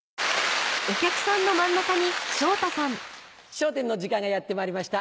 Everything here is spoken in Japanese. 『笑点』の時間がやってまいりました。